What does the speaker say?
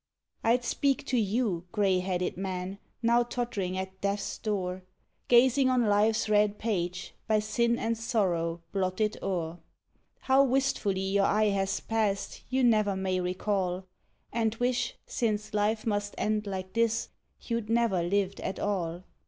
I'd speak to you, grey headed man! now tottering at death's door, Gazing on life's red page, by sin and sorrow blotted o'er. How wistfully you eye that past you never may recall, And wish, since life must end like this, you'd never lived at all.